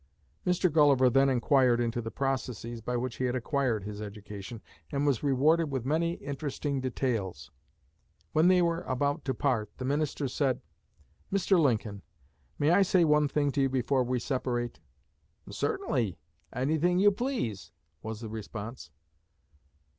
Mr. Gulliver then inquired into the processes by which he had acquired his education, and was rewarded with many interesting details. When they were about to part, the minister said: "Mr. Lincoln, may I say one thing to you before we separate?" "Certainly; anything you please," was the response.